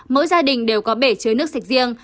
mỗi gia đình đều có bể chứa nước sạch riêng